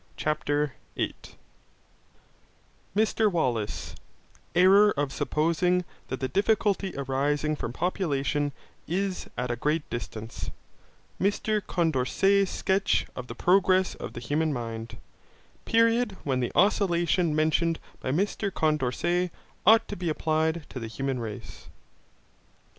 CHAPTER 8 Mr Wallace Error of supposing that the difficulty arising from population is at a great distance Mr Condorcet's sketch of the progress of the human mind Period when the oscillation, mentioned by Mr Condorcet, ought to be applied to the human race.